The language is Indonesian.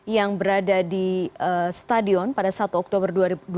yang berada di stadion pada satu oktober dua ribu dua puluh